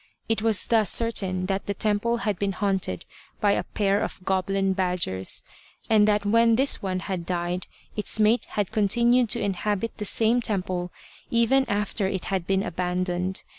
It was thus certain that the temple had been haunted by a pair of goblin badgers, and that when this one had died, its mate had continued to inhabit the same temple even after it had been abandoned.